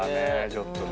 ちょっとね。